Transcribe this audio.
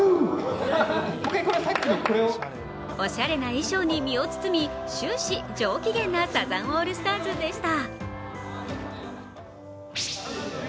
おしゃれな衣装に身を包み、終始、上機嫌なサザンオールスターズでした。